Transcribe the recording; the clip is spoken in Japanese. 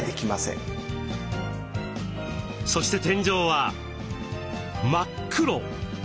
そして天井は真っ黒。